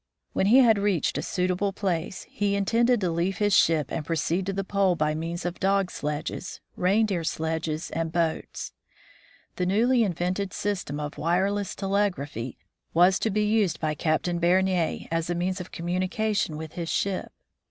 When he had reached a suitable place, he intended to leave his ship and proceed to the pole by means of dog sledges, reindeer sledges, and boats. The newly invented system 156 THE FROZEN NORTH of wireless telegraphy was to be used by Captain Bernier, as a means of communication with his ship.